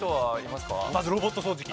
まずロボット掃除機。